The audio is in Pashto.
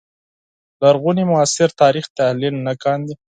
لرغوني معاصر تاریخ تحلیل نه کاندي